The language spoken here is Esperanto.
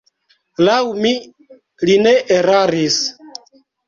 Laŭ mi, li ne eraris.